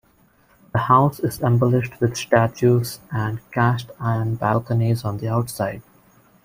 The house is embellished with statues and cast iron balconies on the outside.